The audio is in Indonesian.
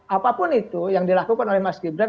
apapun itu yang dilakukan oleh mas gibran